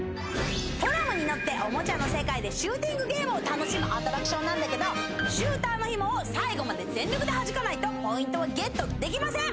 トラムに乗っておもちゃの世界でシューティングゲームを楽しむアトラクションなんだけどシューターのひもを最後まで全力ではじかないとポイントはゲットできません